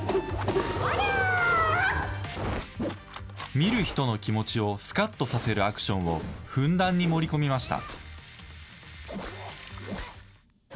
見る人の気持ちをすかっとさせるアクションをふんだんに盛り込みました。